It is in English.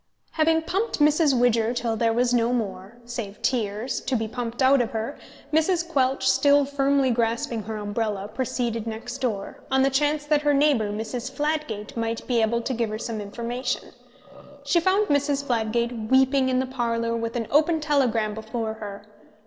Having pumped Mrs. Widger till there was no more (save tears) to be pumped out of her, Mrs. Quelch, still firmly grasping her umbrella, proceeded next door, on the chance that her neighbour, Mrs. Fladgate, might be able to give her some information. She found Mrs. Fladgate weeping in the parlour with an open telegram before her.